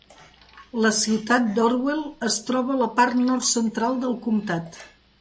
La ciutat d'Orwell es troba a la part nord-central del comtat.